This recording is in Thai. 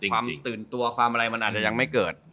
ความตื่นตัวความอะไรมันอาจจะยังไม่เกิด